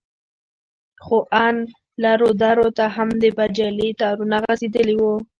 خو ان لرو درو ته هم د بجلي تارونه غځېدلي وو.